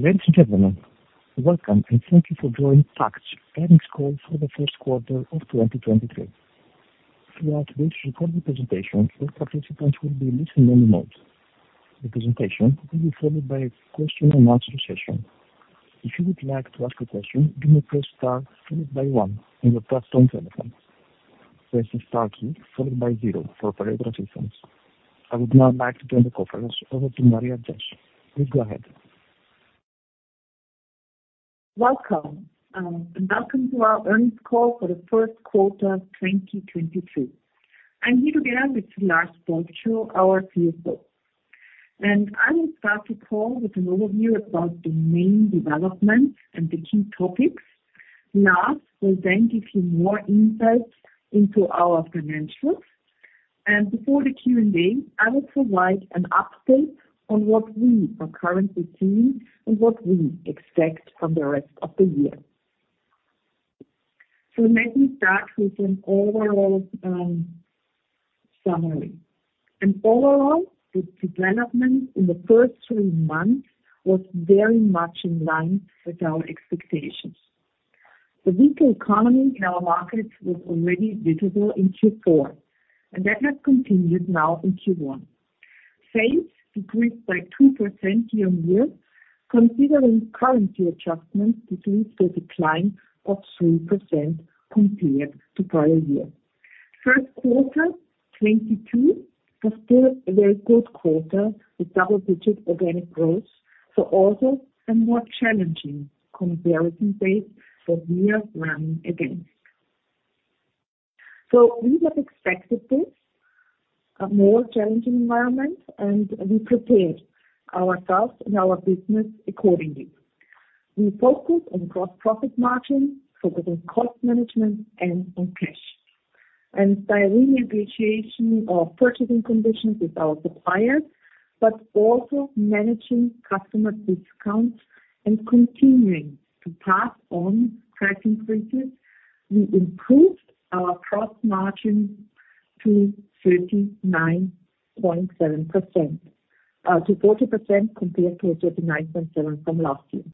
Ladies and gentlemen, welcome and thank you for joining TAKKT earnings call for the first quarter of 2023. Throughout this recorded presentation, all participants will be listening in mode. The presentation will be followed by a question and answer session. If you would like to ask a question, you may press Star followed by 1 on your platform telephone. Press the star key followed by 0 for operator assistance. I would now like to turn the conference over to Maria Zesch. Please go ahead. Welcome, welcome to our earnings call for the first quarter, 2023. I'm here together with Lars Bolscho, our CFO. I will start the call with an overview about the main developments and the key topics. Lars will give you more insights into our financials. Before the Q&A, I will provide an update on what we are currently seeing and what we expect from the rest of the year. Let me start with an overall summary. Overall, the development in the first three months was very much in line with our expectations. The weak economy in our markets was already visible in Q4, and that has continued now in Q1. Sales decreased by 2% year-over-year. Considering currency adjustments, this is a decline of 3% compared to prior year. First quarter 2022 was still a very good quarter with double-digit organic growth, also a more challenging comparison base that we are running against. We have expected this, a more challenging environment, and we prepared ourselves and our business accordingly. We focused on gross profit margin, focusing cost management and on cash. By renegotiation of purchasing conditions with our suppliers, but also managing customer discounts and continuing to pass on price increases, we improved our gross margin to 39.7% to 40% compared to 39.7% from last year.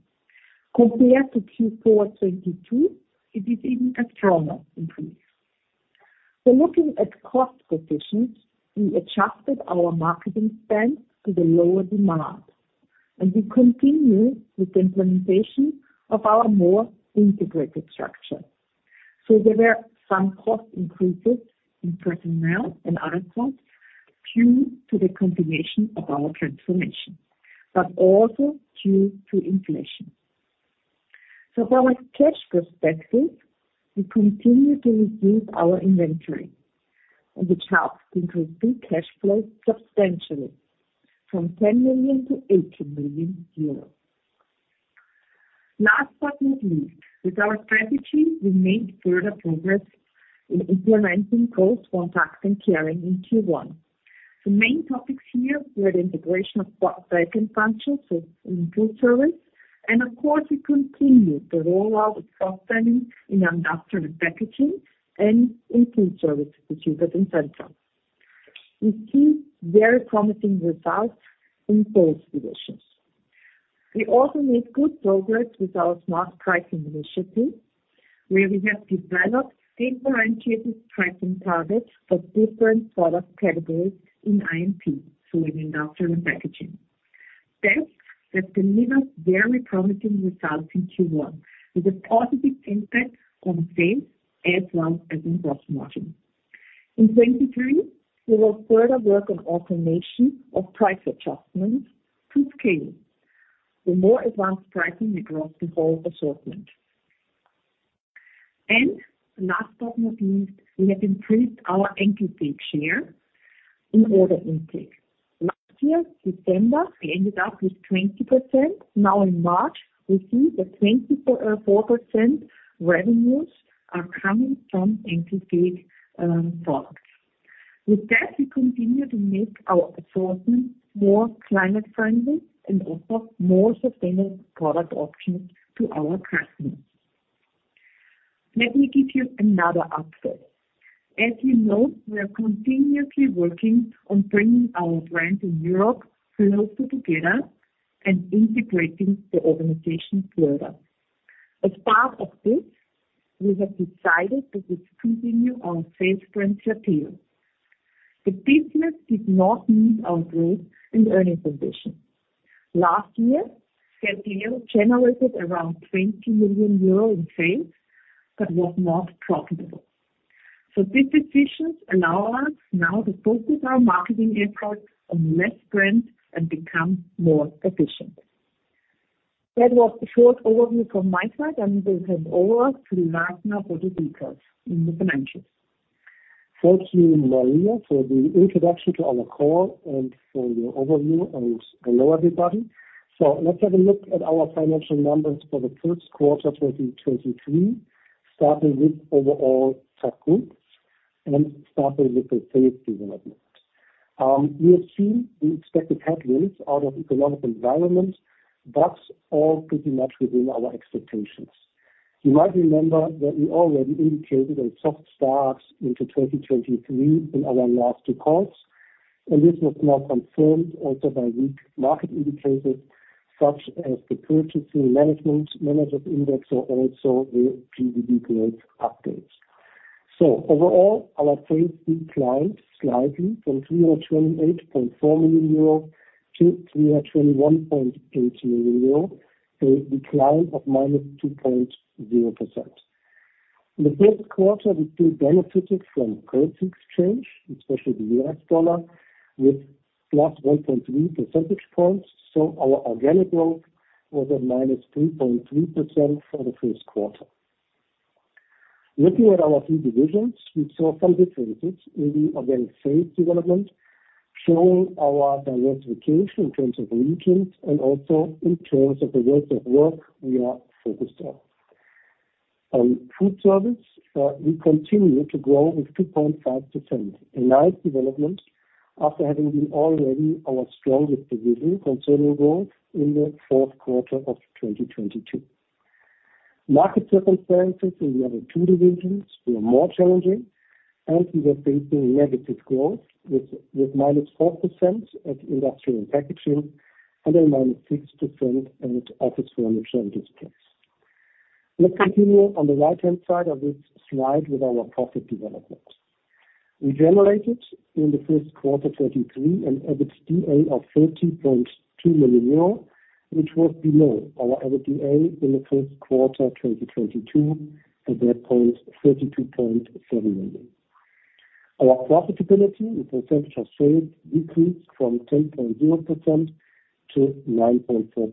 Compared to Q4 2022, it is even a stronger increase. Looking at cost positions, we adjusted our marketing spend to the lower demand, and we continue with the implementation of our more integrated structure. There were some cost increases in personnel and other costs due to the continuation of our transformation, but also due to inflation. From a cash perspective, we continue to reduce our inventory, and which helped improve free cash flow substantially from 10 million to 18 million euros. Last but not least, with our strategy, we made further progress in implementing goals from TAKKT and Caring in Q1. The main topics here were the integration of back-end functions in FoodService, and of course, we continued the rollout of cross-selling in Industrial & Packaging and in FoodService, which is within Central. We see very promising results in both divisions. We also made good progress with our smart pricing initiative, where we have developed sales-orientated pricing targets for different product categories in IMP, so in Industrial & Packaging. Tests have delivered very promising results in Q1 with a positive impact on sales as well as in gross margin. In 2023, we will further work on automation of price adjustments to scale the more advanced pricing across the whole assortment. Last but not least, we have improved our NKT tape share in order intake. Last year, December, we ended up with 20%. Now in March, we see that 24, 4% revenues are coming from NKT products. With that, we continue to make our assortment more climate friendly and offer more sustainable product options to our customers. Let me give you another update. As you know, we are continuously working on bringing our brands in Europe closer together and integrating the organization further. As part of this, we have decided to discontinue our sales brand Certeo. The business did not meet our growth and earning conditions. Last year, Certeo generated around 20 million euro in sales but was not profitable. This decision allow us now to focus our marketing efforts on less brands and become more efficient. That was the short overview from my side, and I will hand over to Lars now for the details in the financials. Thank you, Maria, for the introduction to our call and for your overview. Hello, everybody. Let's have a look at our financial numbers for the first quarter 2023, starting with overall subgroups and starting with the sales development. We have seen the expected headwinds out of economic environment. That's all pretty much within our expectations. You might remember that we already indicated a soft start into 2023 in our last reports. This was now confirmed also by weak market indicators such as the Purchasing Managers' Index or also the GDP growth updates. Overall, our sales declined slightly from 328.4 million euro to 321.8 million euro, a decline of -2.0%. In the first quarter, we still benefited from currency exchange, especially the US dollar, with +1.3 percentage points. Our organic growth was at -3.3% for the first quarter. Looking at our three divisions, we saw some differences in the organic sales development, showing our diversification in terms of regions and also in terms of the types of work we are focused on. FoodService, we continue to grow with 2.5%, a nice development after having been already our strongest division concerning growth in the fourth quarter of 2022. Market circumstances in the other two divisions were more challenging, and we were facing negative growth with -4% at Industrial & Packaging and then -6% at Office Furniture & Displays. Let's continue on the right-hand side of this slide with our profit development. We generated in the first quarter 2023 an EBITDA of 13.2 million euro, which was below our EBITDA in the first quarter 2022, at that point, 32.7 million. Our profitability in percentage of sales decreased from 10.0% to 9.4%.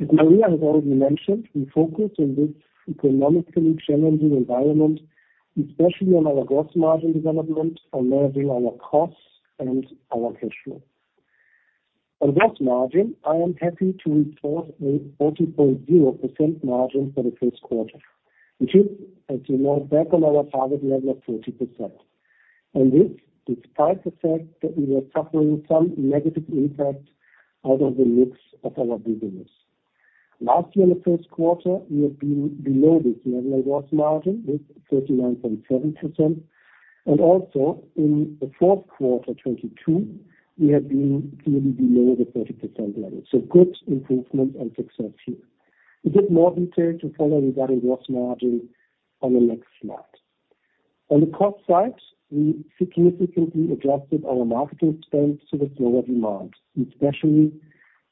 As Maria has already mentioned, we focus in this economically challenging environment, especially on our gross margin development, on managing our costs and our cash flow. On gross margin, I am happy to report a 40.0% margin for the first quarter, which is, as you know, back on our target level of 40%. This despite the fact that we were suffering some negative impact out of the mix of our business. Last year in the first quarter, we have been below this level of gross margin with 39.7%. Also in the fourth quarter 2022, we have been clearly below the 30% level. Good improvement and success here. A bit more detail to follow regarding gross margin on the next slide. On the cost side, we significantly adjusted our marketing spend to the slower demand, especially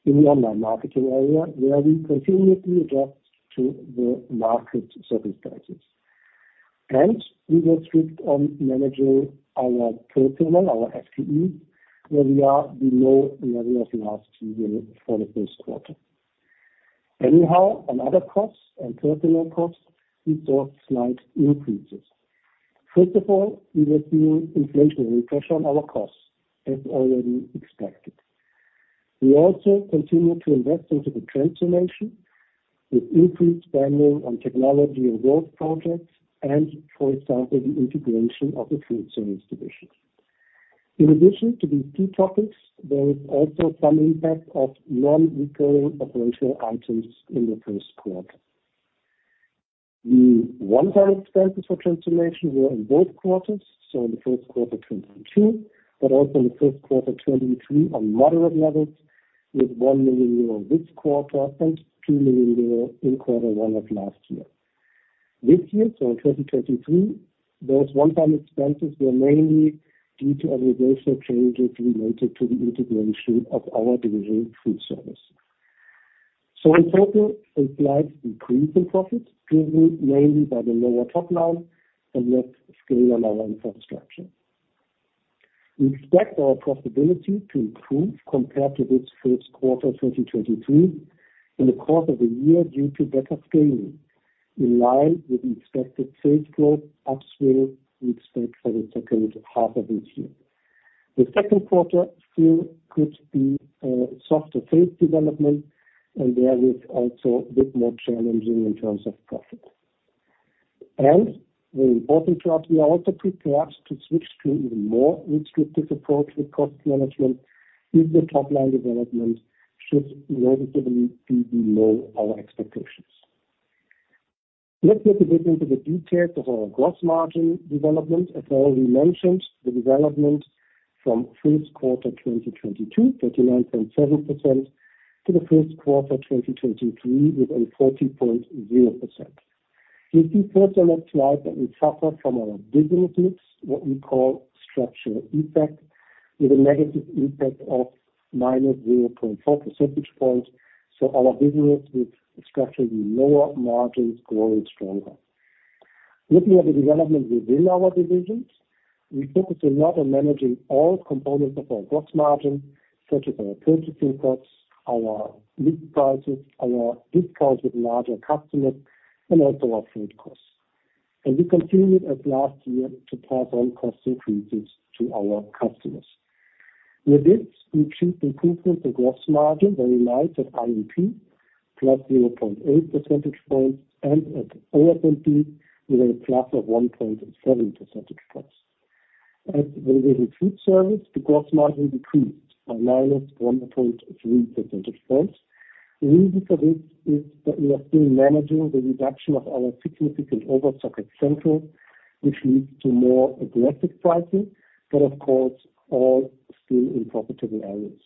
in the online marketing area, where we continuously adjust to the market circumstances. We were strict on managing our personnel, our FTE, where we are below the level of last year for the first quarter. Anyhow, on other costs and personnel costs, we saw slight increases. First of all, we were feeling inflationary pressure on our costs, as already expected. We also continue to invest into the transformation with increased spending on technology and growth projects and, for example, the integration of the FoodService division. In addition to these two topics, there is also some impact of non-recurring operational items in the first quarter. The one-time expenses for transformation were in both quarters, so in the first quarter 2022, but also in the first quarter 2023 on moderate levels with 1 million euro this quarter and 2 million euro in quarter 1 of last year. This year, so in 2023, those one-time expenses were mainly due to organizational changes related to the integration of our division FoodService. In total, a slight increase in profits, driven mainly by the lower top line and less scale on our infrastructure. We expect our profitability to improve compared to this first quarter 2022 in the course of the year due to better scaling, in line with the expected sales growth upswing we expect for the second half of this year. The second quarter still could be a softer sales development, and there is also a bit more challenging in terms of profit. Very important to us, we are also prepared to switch to even more restrictive approach with cost management if the top-line development should noticeably be below our expectations. Let's look a bit into the details of our gross margin development. As already mentioned, the development from first quarter 2022, 39.7%, to the first quarter 2023 with a 40.0%. You see first on that slide that we suffer from our business mix, what we call structural effect, with a negative impact of -0.4 percentage points, so our business with structurally lower margins growing stronger. Looking at the development within our divisions, we focus a lot on managing all components of our gross margin, such as our purchasing costs, our list prices, our discounts with larger customers, and also our food costs. We continued as last year to pass on cost increases to our customers. With this, we achieved improvement in gross margin, very light at RMP, plus 0.8 percentage points, and at OFMP with a plus of 1.7 percentage points. At the division FoodService, the gross margin decreased by minus 1.3 percentage points. The reason for this is that we are still managing the reduction of our significant overstocked Central, which leads to more aggressive pricing, but of course, all still in profitable areas.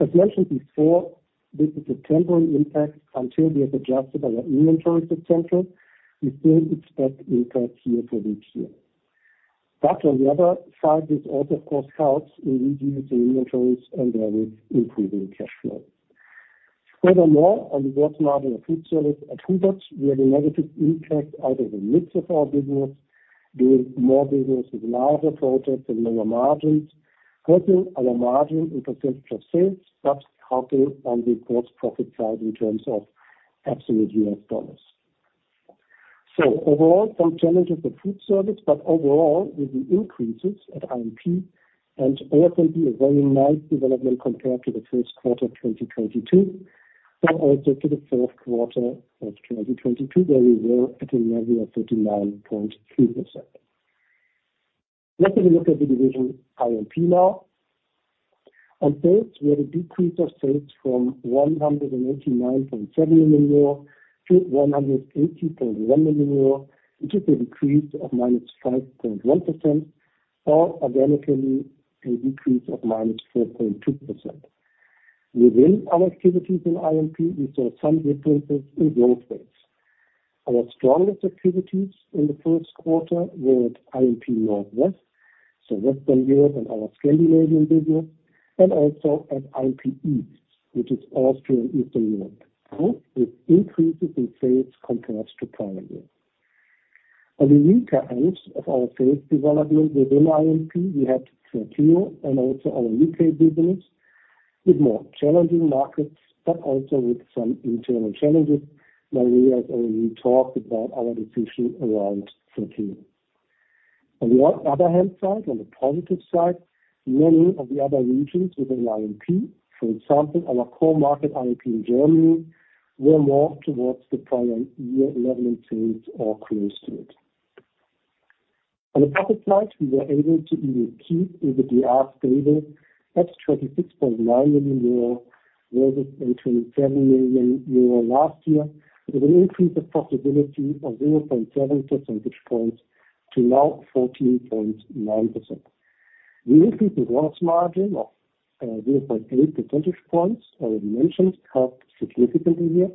As mentioned before, this is a temporary impact until we have adjusted our inventories at Central. We still expect impacts here for this year. This also of course helps in reducing inventories and there is improving cash flow. On the work model of FoodService at Hubert, we had a negative impact out of the mix of our business, doing more business with larger projects and lower margins, hurting our margin in percentage of sales, but helping on the gross profit side in terms of absolute US dollars. Overall, some challenges for FoodService, but overall with the increases at I&P and OF&D, a very nice development compared to the first quarter of 2022, but also to the fourth quarter of 2022, where we were at a level of 39.3%. Let me look at the division I&P now. On sales, we had a decrease of sales from 189.7 million euro to 180.1 million euro, which is a decrease of -5.1% or organically a decrease of -4.2%. Within our activities in I&P, we saw some differences in growth rates. Our strongest activities in the first quarter were at I&P Northwest, so Western Europe and our Scandinavian business, and also at I&P East, which is Austria and Eastern Europe. Both with increases in sales compared to prior year. On the weaker ends of our sales development within I&P, we had Certeo and also our U.K. business with more challenging markets, but also with some internal challenges where we have already talked about our decision around Certeo. On the other hand side, on the positive side, many of the other regions within I&P, for example, our core market I&P in Germany, were more towards the prior year level in sales or close to it. On the profit side, we were able to even keep EBITDA stable at 26.9 million euro versus 27 million euro last year, with an increase of profitability of 0.7 percentage points to now 14.9%. The increase in gross margin of 0.8 percentage points, I already mentioned, helped significantly here,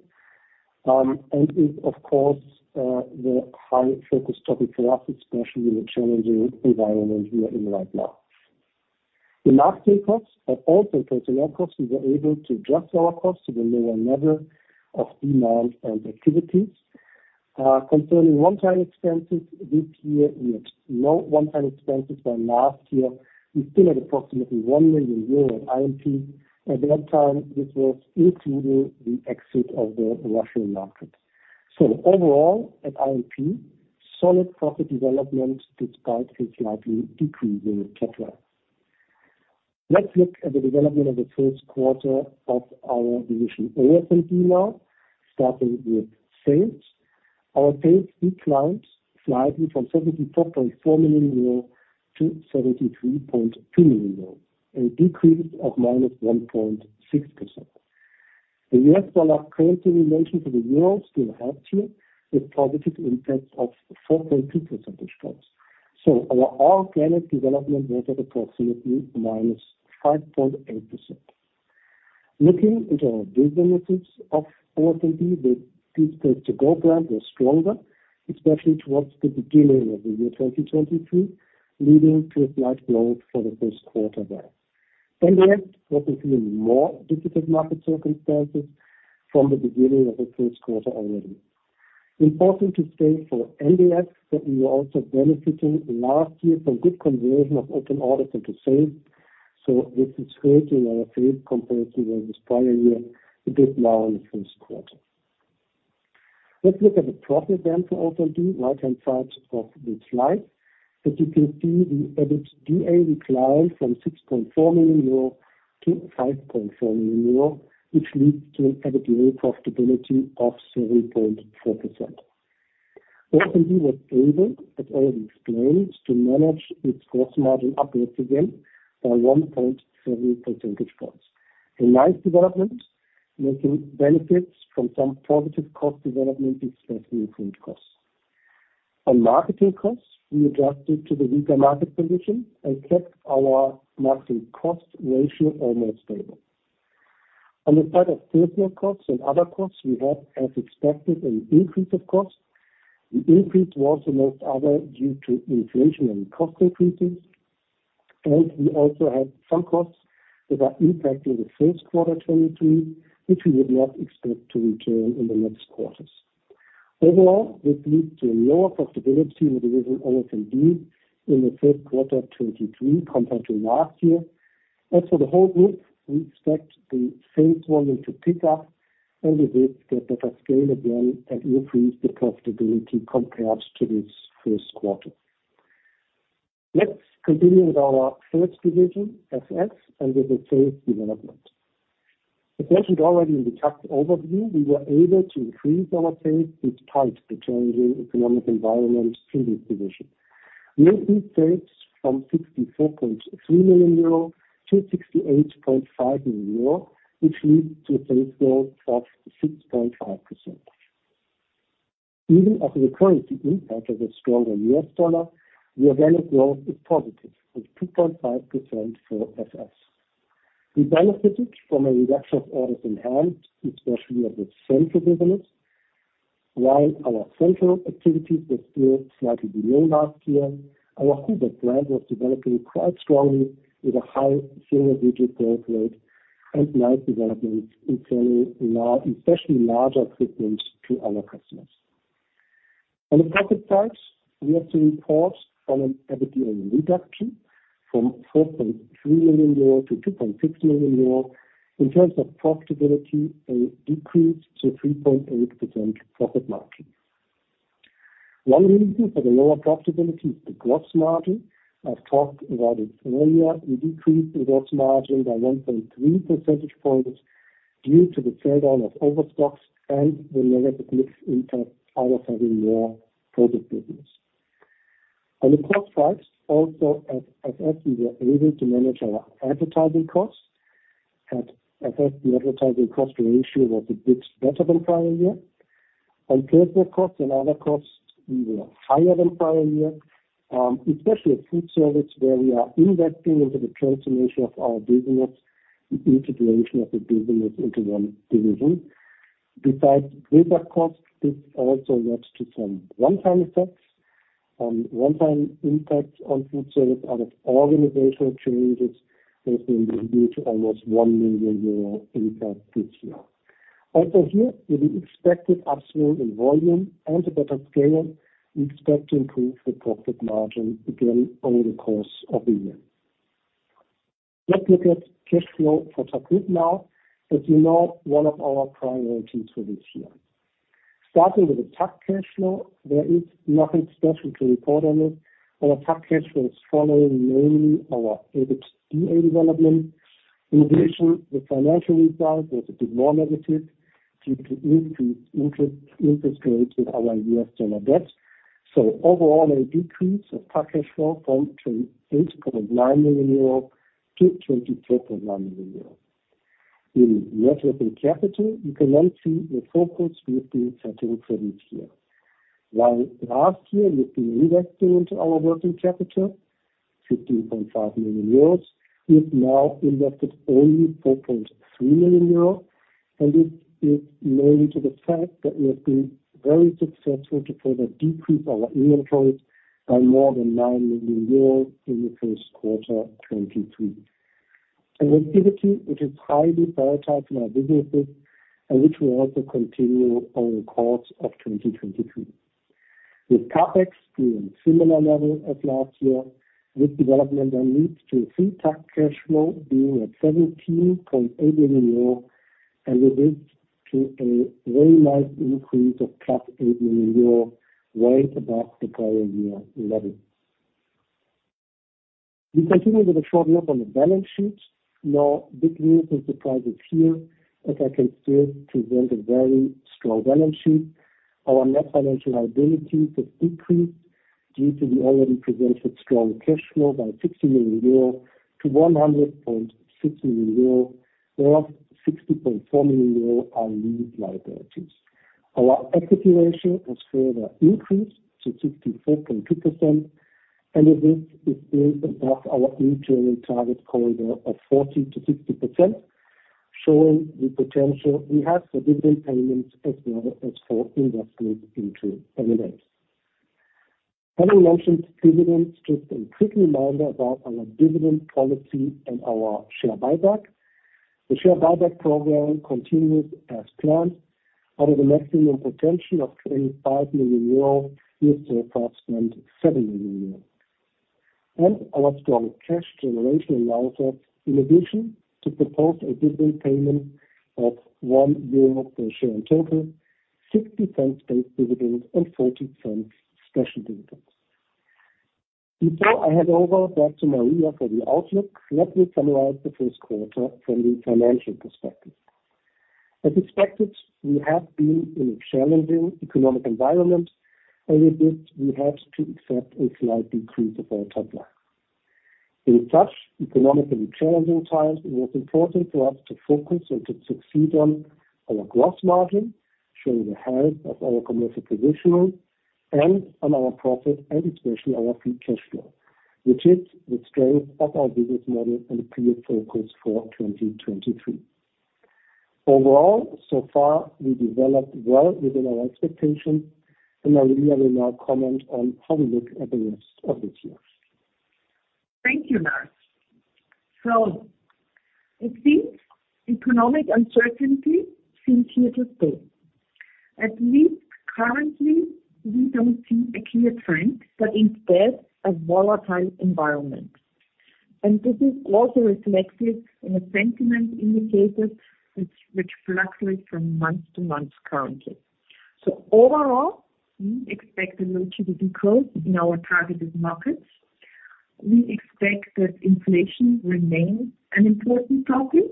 and is of course, the high focus topic for us, especially in the challenging environment we are in right now. The marketing costs and also personal costs, we were able to adjust our costs to the lower level of demand and activities. Concerning one-time expenses, this year we had no one-time expenses than last year. We still had approximately 1 million euro at I&P, and at that time, this was including the exit of the Russian market. Overall at I&P, solid profit development despite a slightly decrease in turnover. Let's look at the development of the first quarter of our division OF&D now, starting with sales. Our sales declined slightly from 74.4 million euro to 73.2 million euro, a decrease of -1.6%. The US dollar currency relation to the euro still helped here with positive impact of 4.2 percentage points. Our organic development was at approximately -5.8%. Looking into our business units of OF&D, the Pieces to go brand was stronger, especially towards the beginning of the year 2023, leading to a slight load for the first quarter there. We had what we feel more difficult market circumstances from the beginning of the first quarter already. Important to state for NDX that we were also benefiting last year from good conversion of open orders into sales. This is creating our sales compared to the previous prior year a bit now in the first quarter. Let's look at the profit then for OF&D, right-hand side of this slide. As you can see, the EBITDA declined from 6.4 million euro to 5.4 million euro, which leads to an EBITDA profitability of 7.4%. OF&D was able, as already explained, to manage its gross margin upwards again by 1.7 percentage points. A nice development making benefits from some positive cost development, especially in print costs. On marketing costs, we adjusted to the weaker market position and kept our marketing cost ratio almost stable. On the side of personal costs and other costs, we had, as expected, an increase of cost. The increase was amongst other, due to inflation and cost increases, and we also had some costs that are impacting the first quarter 2023, which we would not expect to return in the next quarters. Overall, this leads to a lower profitability in the division OF&D in the first quarter 2023 compared to last year. For the whole group, we expect the sales volume to pick up and with this get better scale again and increase the profitability compared to this first quarter. Let's continue with our third division, FS, with the sales development. As mentioned already in the chapter overview, we were able to increase our sales despite the challenging economic environment in this division. Making sales from 64.3 million euro to 68.5 million euro, which leads to a sales growth of 6.5%. Even after the currency impact of a stronger US dollar, the organic growth is positive at 2.5% for FS. We benefited from a reduction of orders in hand, especially at the Central business, while our Central activities were still slightly below last year. Our Hubert brand was developing quite strongly with a high single-digit growth rate and nice developments in selling now especially larger equipment to our customers. On the profit side, we have to report on an EBITDA reduction from 4.3 million euro to 2.6 million euro in terms of profitability, a decrease to 3.8% profit margin. One reason for the lower profitability is the gross margin. I've talked about it earlier. We decreased the gross margin by 1.3 percentage points due to the trade-down of overstocks and the negative mix impact out of having more product business. On the cost side also, at FS, we were able to manage our advertising costs. At FS, the advertising cost ratio was a bit better than prior year. On personal costs and other costs, we were higher than prior year, especially at FoodService, where we are investing into the transformation of our business, the integration of the business into one division. Besides these costs, this also led to some one-time effects. One-time impact on FoodService out of organizational changes has been reduced to almost 1 million euro impact this year. Also here, with the expected upswing in volume and the better scale, we expect to improve the profit margin again over the course of the year. Let's look at cash flow for TAKKT now. As you know, one of our priorities for this year. Starting with the tax cash flow, there is nothing special to report on it. Our tax cash flow is following mainly our EBITDA development. In addition, the financial result was a bit more negative due to increased interest rates with our US dollar debt. Overall, a decrease of tax cash flow from 28.9 million euro to 23.9 million euro. In net working capital, you can now see the focus with the settling credits here. While last year we've been reinvesting into our working capital, 15.5 million euros, we have now invested only 4.3 million euros, and this is mainly to the fact that we have been very successful to further decrease our inventories by more than 9 million euros in the first quarter 2023. Liquidity, which is highly prioritized in our businesses and which will also continue over the course of 2023. With CapEx doing similar level as last year, this development then leads to free tax cash flow being at 17.8 million and leads to a very nice increase of +8 million euro, right above the prior year level. We continue with a short look on the balance sheet. No big news or surprises here, as I can still present a very strong balance sheet. Our net financial liability has decreased due to the already presented strong cash flow by 60 million euro to 100.6 million euro, thereof 60.4 million euro are lease liabilities. Our equity ratio has further increased to 64.2%. This is still above our internal target corridor of 40%-60%, showing the potential we have for dividend payments as well as for investments into M&As. Having mentioned dividends, just a quick reminder about our dividend policy and our share buyback. The share buyback program continues as planned. Out of the maximum potential of 25 million euros, we still have spent 7 million euros. Our strong cash generation allows us, in addition, to propose a dividend payment of 1 euro per share. In total, 0.60 base dividend and 0.40 special dividend. Before I hand over back to Maria for the outlook, let me summarize the first quarter from the financial perspective. As expected, we have been in a challenging economic environment, and with this we have to accept a slight decrease of our top line. In such economically challenging times, it was important for us to focus and to succeed on our gross margin, showing the health of our commercial position and on our profit and especially our free cash flow, which is the strength of our business model and key focus for 2023. Overall, so far we developed well within our expectations. Maria will now comment on how we look at the rest of this year. Thank you, Lars. It seems economic uncertainty seems here to stay. At least currently, we don't see a clear trend, but instead a volatile environment. This is also reflected in the sentiment indicators which fluctuate from month to month currently. Overall, we expect the volatility to grow in our targeted markets. We expect that inflation remains an important topic.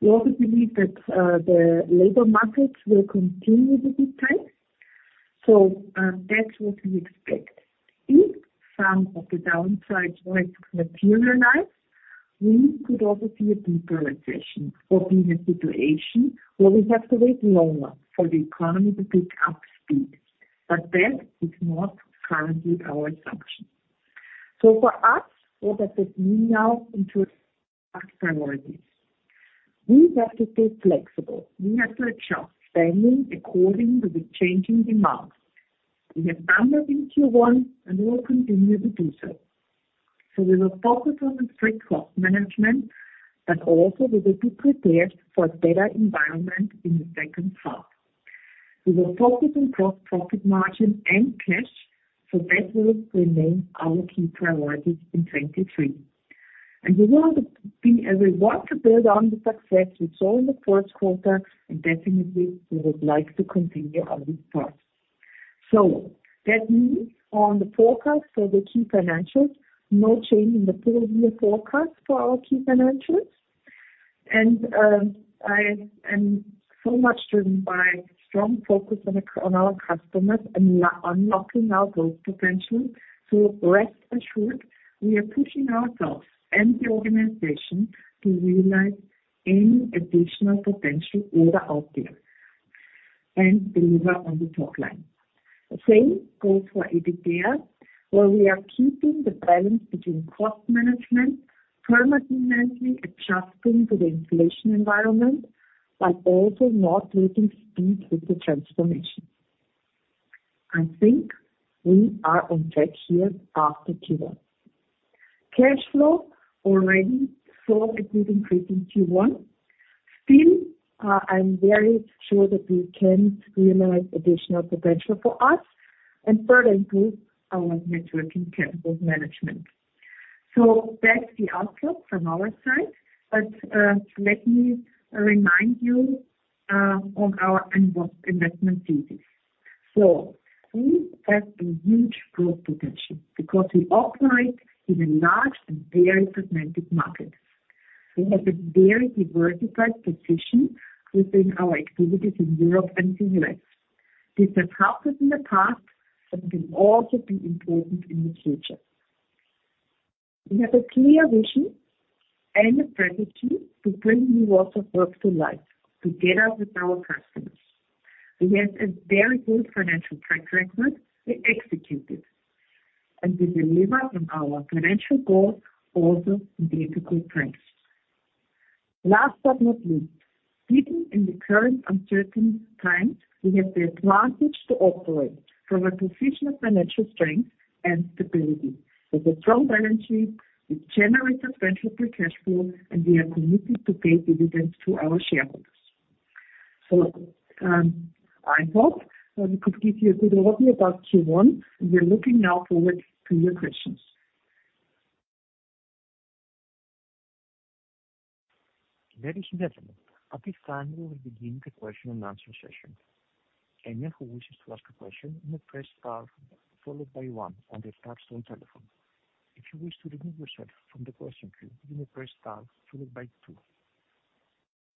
We also believe that the labor markets will continue to be tight. That's what we expect. If some of the downside risks materialize, we could also see a deeper recession or be in a situation where we have to wait longer for the economy to pick up speed. That is not currently our assumption. For us, what does it mean now in terms of our priorities? We have to stay flexible. We have to adjust spending according to the changing demands. We have done that in Q1, and we will continue to do so. We will focus on the strict cost management, but also we will be prepared for a better environment in the second half. We will focus on gross profit margin and cash, so that will remain our key priorities in 2023. We want to build on the success we saw in the first quarter, and definitely, we would like to continue on this path. That means on the forecast for the key financials, no change in the full year forecast for our key financials. I am so much driven by strong focus on our customers and unlocking our growth potential. Rest assured, we are pushing ourselves and the organization to realize any additional potential that are out there and deliver on the top line. The same goes for EBITDA, where we are keeping the balance between cost management, permanently adjusting to the inflation environment, but also not losing speed with the transformation. I think we are on track here after Q1. Cash flow already saw a good increase in Q1. I'm very sure that we can realize additional potential for us and further improve our net working capital management. That's the outlook from our side. Let me remind you on our investment thesis. We have a huge growth potential because we operate in a large and very fragmented market. We have a very diversified position within our activities in Europe and the U.S. This has helped us in the past, and will also be important in the future. We have a clear vision and a strategy to bring new worlds of work to life together with our customers. We have a very good financial track record. We execute it. We deliver on our financial goals also in difficult times. Last but not least, even in the current uncertain times, we have the advantage to operate from a position of financial strength and stability. With a strong balance sheet, we generate substantial free cash flow, and we are committed to pay dividends to our shareholders. I thought we could give you a good overview about Q1. We are looking now forward to your questions. Ladies and gentlemen, at this time, we will begin the question and answer session. Anyone who wishes to ask a question may press star followed by one on their touch-tone telephone. If you wish to remove yourself from the question queue, you may press star followed by two.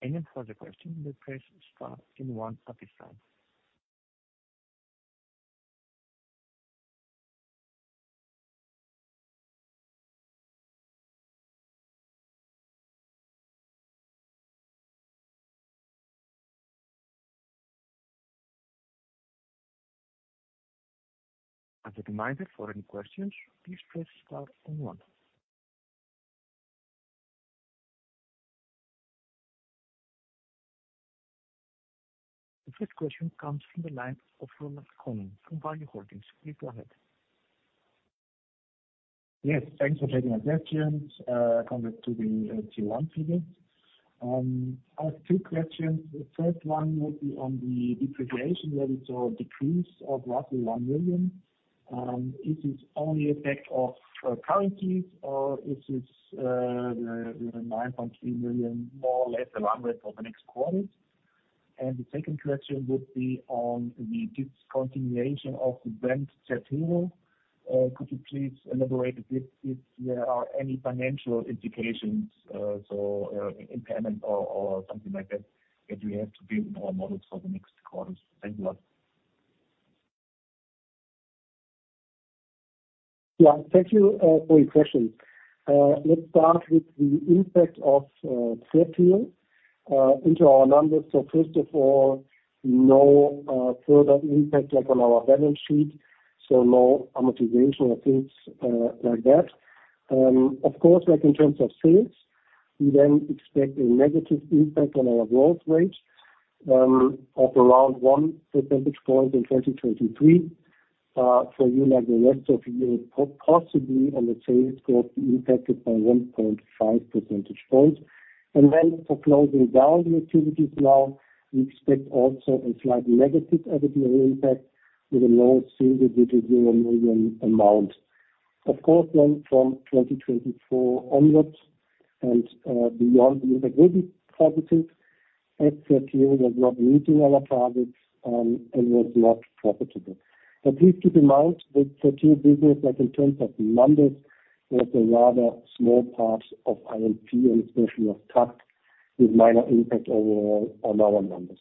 Anyone with a question may press star then one at this time. As a reminder, for any questions, please press star on one. The first question comes from the line of Ronald Cohn from Warburg Research. Please go ahead. Yes, thanks for taking my questions, coming to the Q1 figures. I have two questions. The first one would be on the depreciation where we saw a decrease of roughly 1 million. Is this only effect of currencies, or is this the 9.3 million more or less a runway for the next quarters? The second question would be on the discontinuation of the brand Certeo. Could you please elaborate a bit if there are any financial implications, so impairment or something like that we have to build more models for the next quarters? Thank you. Yeah. Thank you for your questions. Let's start with the impact of Certeo into our numbers. First of all, no further impact like on our balance sheet, so no amortization or things like that. Of course, like in terms of sales, we then expect a negative impact on our growth rate of around 1 percentage point in 2023. For you like the rest of the year, possibly on the sales growth impacted by 1.5 percentage points. For closing down the activities now, we expect also a slight negative EBITDA impact with a low single-digit euro million amount. From 2024 onwards and beyond, it will be positive. was not meeting our targets and was not profitable. Please keep in mind that the two business, like in terms of numbers, was a rather small part of I&P and especially of TAKKT with minor impact overall on our numbers.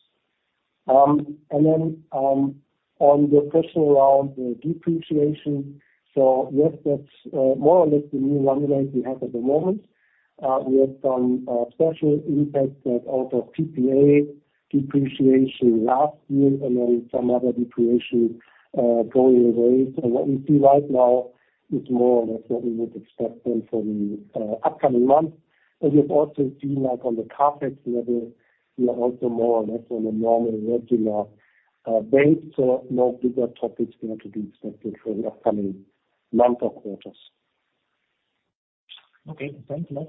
And then on the question around the depreciation. Yes, that's more or less the new one rate we have at the moment. We have some special impact that out of PPA depreciation last year and then some other depreciation going away. What we see right now is more or less what we would expect then for the upcoming months. You've also seen like on the CapEx level, we are also more or less on a normal regular base. No bigger topics we have to be expected for the upcoming month or quarters. Okay, thank you.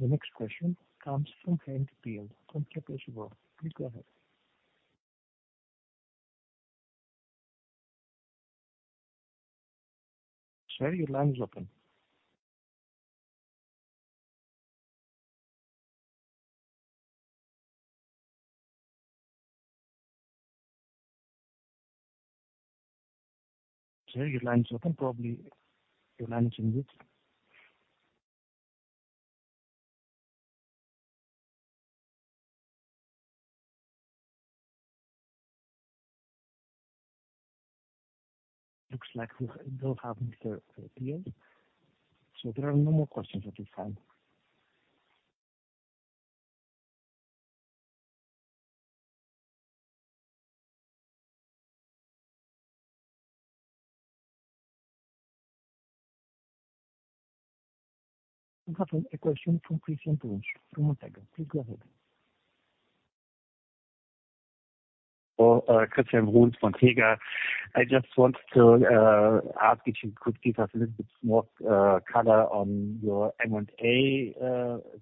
The next question comes from Kent Biel from Jefferies World. Please go ahead. Sorry, your line's open. Probably your line changed. Looks like we don't have Mr. Biel. There are no more questions at this time. We have a question from Christian Bruhn from Ortega. Please go ahead. Christian Bruhn from Ortega. I just want to ask if you could give us a little bit more color on your M&A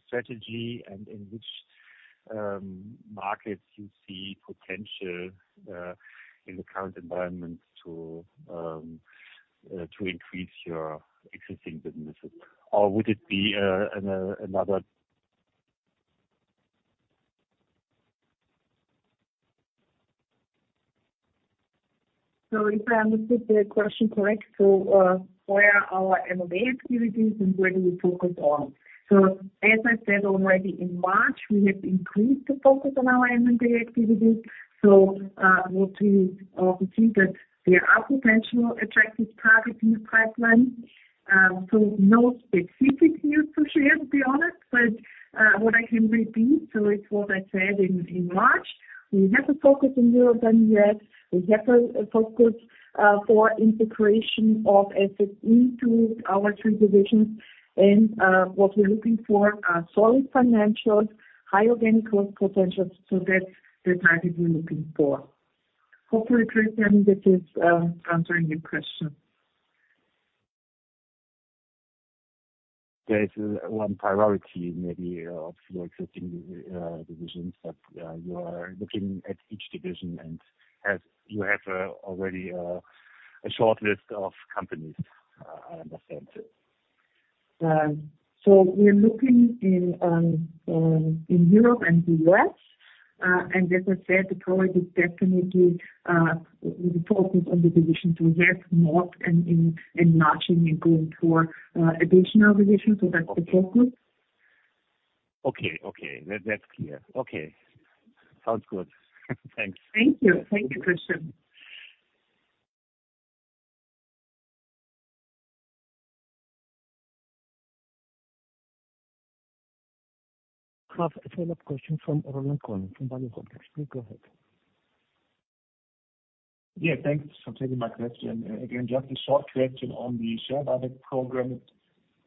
strategy and in which markets you see potential in the current environment to increase your existing businesses. Would it be another... If I understood the question correct, where our M&A activities and where do we focus on? As I said already in March, we have increased the focus on our M&A activities. What we see that there are potential attractive targets in the pipeline. No specific news to share, to be honest. What I can repeat, it's what I said in March, we have a focus in Europe and U.S. We have a focus for integration of assets into our three divisions. What we're looking for are solid financials, high organic growth potential. That's the target we're looking for. Hopefully, Christian, this is answering your question. There is one priority maybe of your existing divisions, but you are looking at each division, and as you have already a short list of companies, I understand. We're looking in Europe and U.S. As I said, the priority is definitely with the focus on the division to have more and not only going for additional divisions. That's the focus. Okay. Okay. That's clear. Okay. Sounds good. Thanks. Thank you. Thank you, Christian. I have a follow-up question from Roland Kohn from Bank of America. Please go ahead. Thanks for taking my question. Again, just a short reaction on the share buyback program.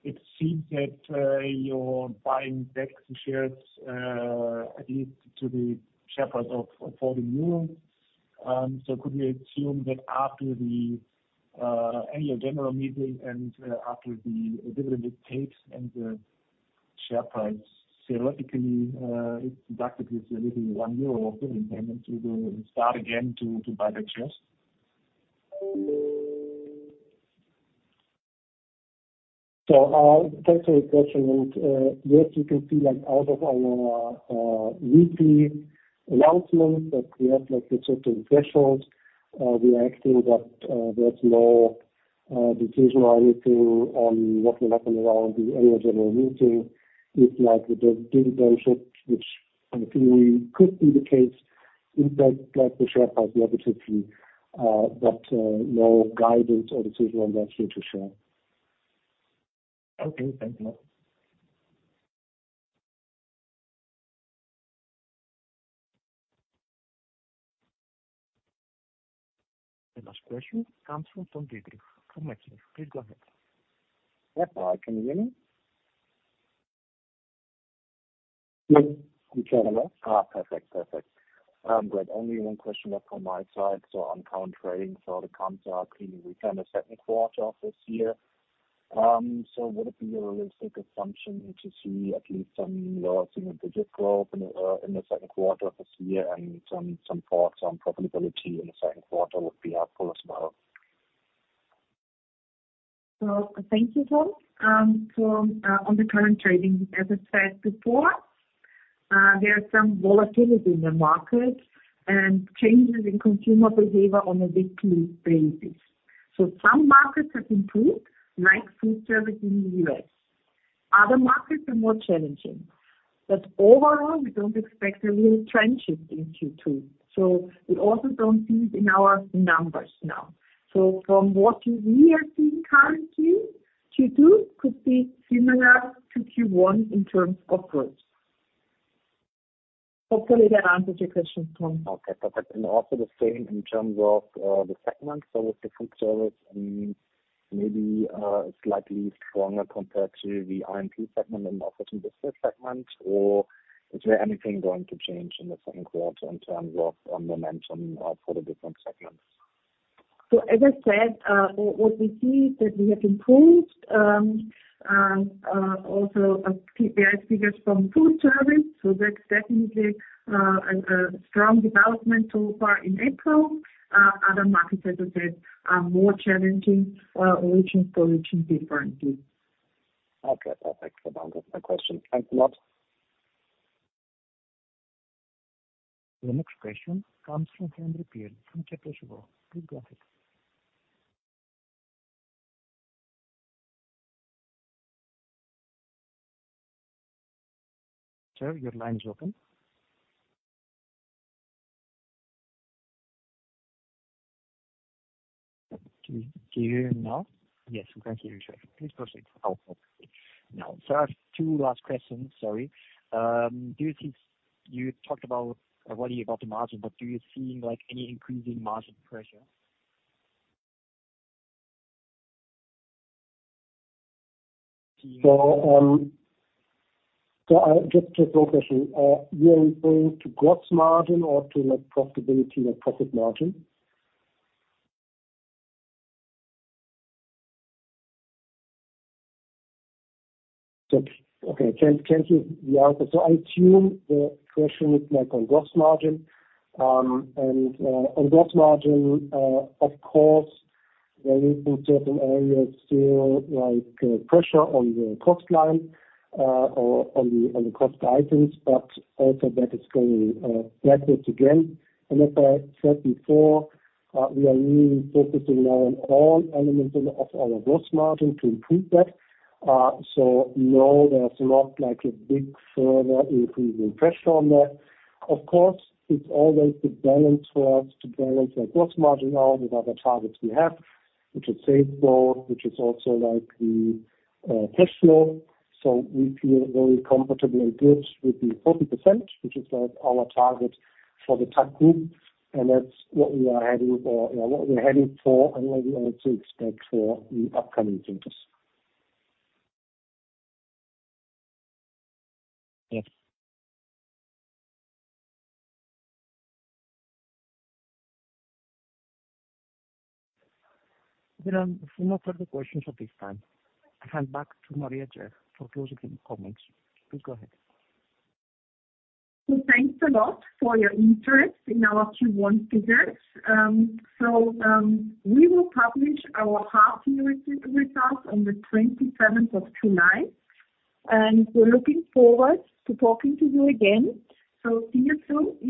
It seems that you're buying back shares at least to the share price of EUR 40. Could we assume that after the annual general meeting and after the dividend is paid and the share price theoretically is deductively everything EUR 1 of dividend payment, you will start again to buy back shares? Thanks for your question, Roland. Yes, you can see, like, out of our weekly announcement that we have, like, a certain threshold. We are acting that there's no decision or anything on what will happen around the annual general meeting. If like the dividend is hit, which I think could be the case, impact like the share price positively, but no guidance or decision on that here to share. Okay, thank you. The last question comes from Tom DeGriff from Maxiv. Please go ahead. Yes. Hi, can you hear me? Yes. We can hear you. Perfect. Perfect. Only one question left on my side. On current trading, the concept clearly return the second quarter of this year. Would it be a realistic assumption to see at least some low single-digit growth in the second quarter of this year and some thoughts on profitability in the second quarter would be helpful as well? Thank you, Tom. On the current trading, as I said before, there are some volatility in the market and changes in consumer behavior on a weekly basis. Some markets have improved, like FoodService in the U.S. Other markets are more challenging. Overall, we don't expect a real trend shift in Q2, so we also don't see it in our numbers now. From what we are seeing currently, Q2 could be similar to Q1 in terms of growth. Hopefully that answers your question, Tom. Okay. Perfect. Also the same in terms of the segments. With the FoodService and maybe slightly stronger compared to the RMP segment and also to the sales segment, or is there anything going to change in the second quarter in terms of momentum for the different segments? As I said, what we see is that we have improved also KPI figures from FoodService, so that's definitely a strong development so far in April. Other markets, as I said, are more challenging, region for region differently. Okay. Perfect. That answers my question. Thanks a lot. The next question comes from Henry Peer from Capra Global. Please go ahead. Sir, your line is open. Can you hear me now? Yes, we can hear you, sir. Please proceed. Okay. Now, I have 2 last questions. Sorry. You talked about already about the margin, but do you see, like, any increase in margin pressure? I'll just take both actually. You're referring to gross margin or to profitability, profit margin? Okay. Thanks. Thank you. The answer. I assume the question is on gross margin. On gross margin, of course, there is in certain areas still pressure on the cost line or on the cost items, but also that is going backwards again. As I said before, we are really focusing now on all elements of our gross margin to improve that. No, there's not a big further increasing pressure on that. Of course, it's always the balance for us to balance gross margin now with other targets we have, which is safe growth, which is also the cash flow. We feel very comfortable and good with the 40%, which is, like, our target for the TAKKT Group, and that's, you know, what we're heading for and what we also expect for the upcoming quarters. There are no further questions at this time. I hand back to Maria Zesch for closing comments. Please go ahead. Thanks a lot for your interest in our Q1 figures. We will publish our half year results on the 27th of July, and we're looking forward to talking to you again. See you soon.